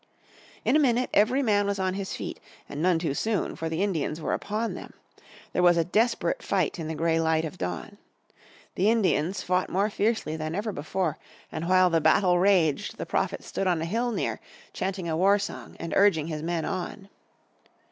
In a minute every man was on his feet, and none too soon, for the Indians were upon them. There was a desperate fight in the grey light of dawn. The Indians fought more fiercely than ever before, and while the battle raged the Prophet stood on a hill near, chanting a war song, and urging his men on.